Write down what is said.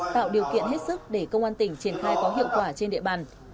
tạo điều kiện hết sức để công an tỉnh triển khai có hiệu quả trên địa bàn